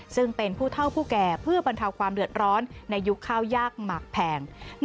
ซึ่งเป็นผู้เท่าผู้แก่